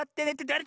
あれ？